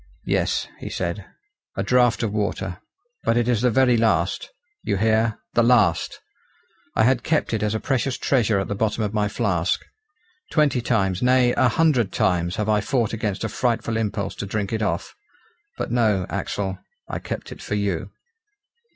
"Yes," he said, "a draught of water; but it is the very last you hear! the last. I had kept it as a precious treasure at the bottom of my flask. Twenty times, nay, a hundred times, have I fought against a frightful impulse to drink it off. But no, Axel, I kept it for you."